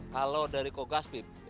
kalau dari kogaspib